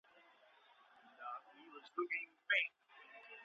ولې ښه خلګ له ښو خلګو سره دوستي کوي؟